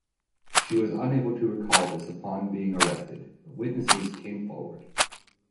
She was unable to recall this upon being arrested, but witnesses came forward.